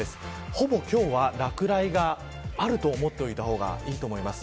ほぼ今日は落雷があると思っておいた方がいいと思います。